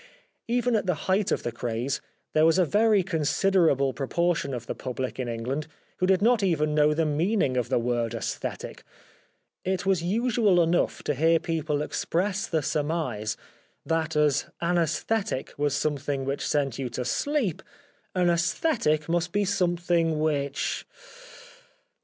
Even at the height of the craze there was a very considerable proportion of the public in England which did not even know the meaning of the word aesthetic. It was usual enough to hear people express the surmise that as anees thetic was something which sent you to sleep, an aesthetic must be something which. ...